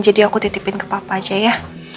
jadi aku titipin ke papa aja ya